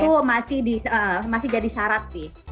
itu masih jadi syarat sih